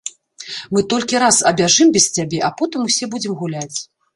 Мы толькі раз абяжым без цябе, а потым усе будзем гуляць.